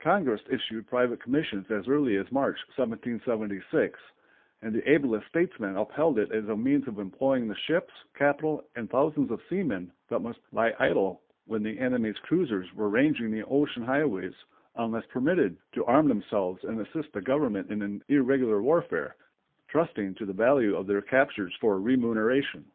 Congress issued private commissions as early as March, 1776, and the ablest statesmen upheld it as a means of employing the ships, capital, and thousands of seamen that must lie idle when the enemy's cruisers were ranging the ocean highways unless permitted to arm themselves and assist the government in an irregular warfare, trusting to the value of their captures for remuneration.